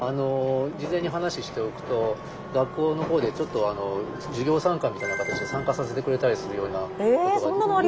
事前に話しておくと学校の方でちょっと授業参観みたいな形で参加させてくれたりするようなことが。